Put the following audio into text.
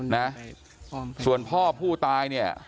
นะส่วนพ่อผู้ตายเนี่ย